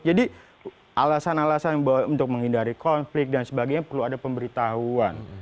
jadi alasan alasan untuk menghindari konflik dan sebagainya perlu ada pemberitahuan